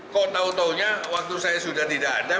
kok tau taunya waktu saya sudah tidak ada